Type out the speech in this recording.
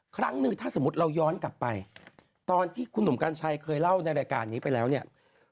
ครั้งหนึ่งถ้าสมมุติเราย้อนกลับไปตอนที่คุณหนุ่มกัญชัยเคยเล่าในรายการนี้ไปแล้วเนี่ย